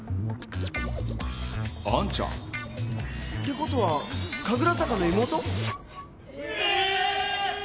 あんちゃん？ってことは神楽坂の妹？え！？